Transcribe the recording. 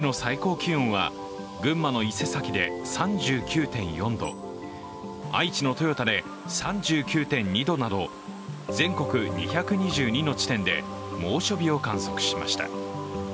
このほか午後３時現在各地の最高気温は群馬の伊勢崎で３９．４度、愛知の豊田で３９．２度など全国２２２の地点で、猛暑日を観測しました。